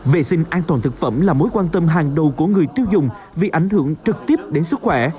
vệ sinh an toàn thực phẩm là mối quan tâm hàng đầu của người tiêu dùng vì ảnh hưởng trực tiếp đến sức khỏe